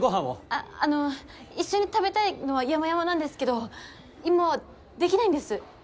ああの一緒に食べたいのは山々なんですけど今は出来ないんです。